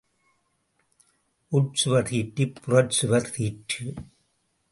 உட்சுவர் தீற்றிப் புறச்சுவர் தீற்று.